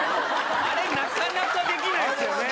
あれなかなかできないですよね。